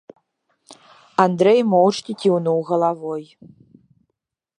Андрэй моўчкі кіўнуў галавой.